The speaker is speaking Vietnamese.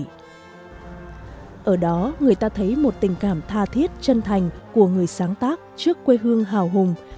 trong đó người ta thấy một tình cảm tha thiết chân thành của người sáng tác trước quê hương hào hùng